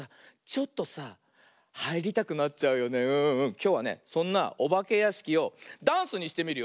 きょうはねそんなおばけやしきをダンスにしてみるよ。